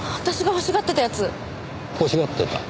欲しがってた？